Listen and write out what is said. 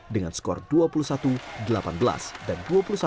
dengan skor dua puluh satu delapan belas dan dua puluh satu delapan belas